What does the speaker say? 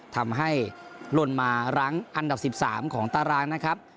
ทำให้ลนมารั้งอันดับ๑๓ของตารางนะครับ